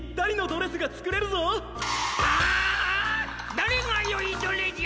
だれがよいどれじゃ！